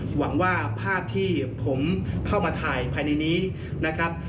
หวังว่าภาพที่ผมเข้ามาถ่ายภายในนี้นะครับ